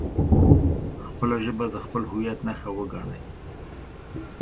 خپله ژبه د خپل هویت نښه وګڼئ.